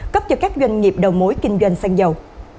cấp cho các doanh nghiệp đầu mối kinh doanh xăng dầu